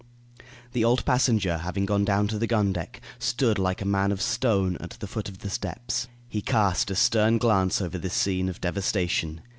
The old passenger having gone down to the gun deck, stood like a man of stone at the foot of the steps. He cast a stern glance over this scene of devastation.